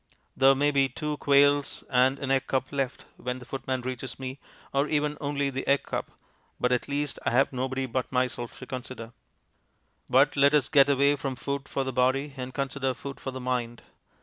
There may be two quails and an egg cup left when the footman reaches me, or even only the egg cup, but at least I have nobody but myself to consider. But let us get away from food for the body, and consider food for the mind.